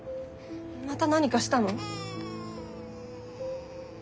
また何かしたの？